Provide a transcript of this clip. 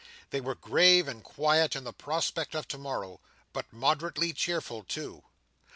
They were grave and quiet in the prospect of to morrow, but moderately cheerful too.